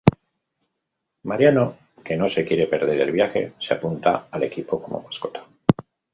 Mariano, que no se quiere perder el viaje, se apunta al equipo como mascota.